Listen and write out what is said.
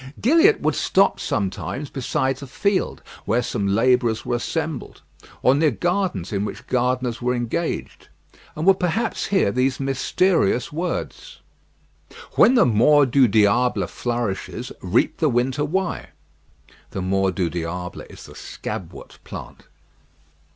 Gilliatt would stop sometimes beside a field where some labourers were assembled, or near gardens in which gardeners were engaged, and would perhaps hear these mysterious words: "When the mors du diable flourishes, reap the winter rye." (The mors du diable is the scabwort plant.)